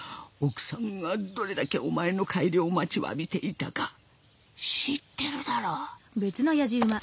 奥さんがどれだけお前の帰りを待ちわびていたか知ってるだろう。